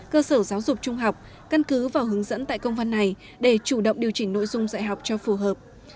cơ sở giáo dục trung học căn cứ vào hướng dẫn tại công văn này để chủ động điều chỉnh nội dung dạy học cho phù hợp